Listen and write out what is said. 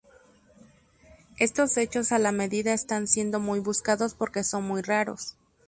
Estos hechos a la medida están siendo muy buscados porque son muy raros.